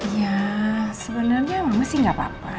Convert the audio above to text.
ya sebenernya mama sih gak apa apa